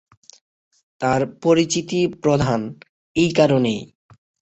তাঁর পরিচিতি প্রধানত এই কারণেই।